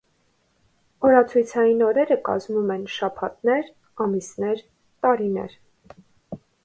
Օրացուցային օրերը կազմում են շաբաթներ, ամիսներ, տարիներ։